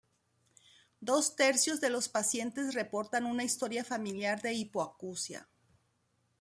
Dos tercios de los pacientes reportan una historia familiar de hipoacusia.